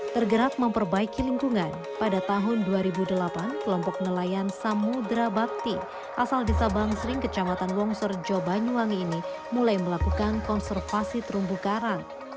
tergerak memperbaiki lingkungan pada tahun dua ribu delapan kelompok nelayan samudera bakti asal desa bangsering kecamatan wongsorejo banyuwangi ini mulai melakukan konservasi terumbu karang